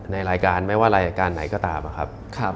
ในรายการไม่ว่ารายการไหนก็ตามนะครับ